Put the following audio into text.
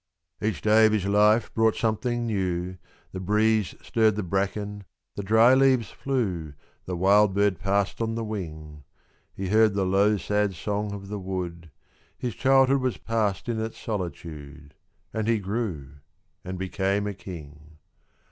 Each day of his life brought something new, The breeze stirred the bracken, the dry leaves flew, The wild bird passed on the wing: He heard the low, sad song of the wood, His childhood was passed in its solitude; And he grew and became a king.